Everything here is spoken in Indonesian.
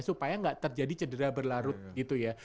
supaya nggak terjadi cedera berlarut gitu ya